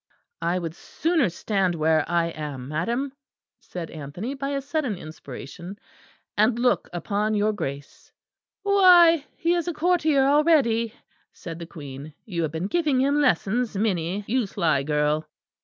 "I would sooner stand where I am, madam," said Anthony, by a sudden inspiration, "and look upon your Grace." "Why, he is a courtier already," said the Queen. "You have been giving him lessons, Minnie, you sly girl."